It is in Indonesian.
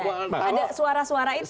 ada suara suara itu